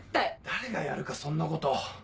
誰がやるかそんなこと。